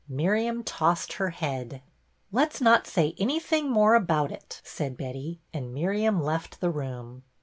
Miriam tossed her head. "Let's not say anything more about it," said Betty; and Miriam left the room.